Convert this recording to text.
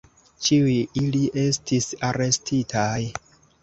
Ĉiuj ili estis arestitaj.